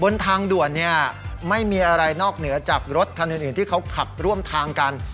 บนทางด่วนเนี่ยไม่มีอะไรนอกเหนือจากรถคันอื่นที่เขาขับร่วมทางกัน